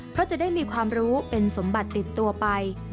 เพราะจะได้มีความรู้เป็นสมบัติติดตัวไป